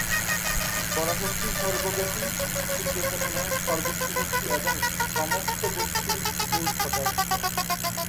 পরাশক্তি সর্বব্যাপী, শুদ্ধ চেতনা, সর্বোচ্চ শক্তি এবং সমস্ত বস্তুর মূলপদার্থ।